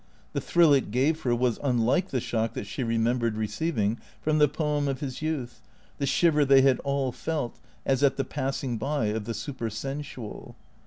The thrill it gave her was unlike the shock that she remembered receiving from the poem of his youth, the shiver they had all felt, as at the passing by of the supersensual.